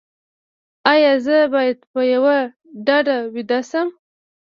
ایا زه باید په یوه ډډه ویده شم؟